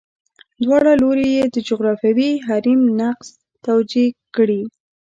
دواړه لوري یې د جغرافیوي حریم نقض توجیه کړي.